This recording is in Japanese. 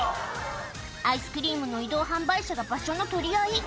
アイスクリームの移動販売車が場所の取り合い